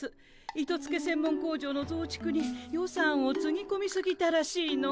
糸つけ専門工場のぞうちくに予算をつぎこみすぎたらしいの。